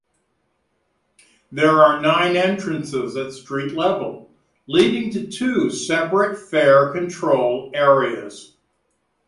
There are nine entrances at street level, leading to two separate fare control areas.